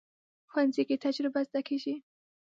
ښوونځی کې تجربې زده کېږي